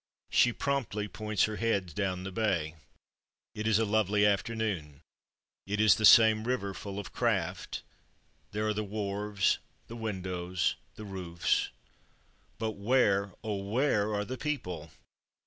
She promptly points her head down the bay. It is a lovely afternoon it is the same river full of craft there are the wharves, the windows, the roofs but where, oh! where are the people?